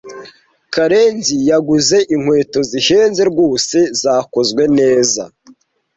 Karenzi yaguze inkweto zihenze rwose, zakozwe neza.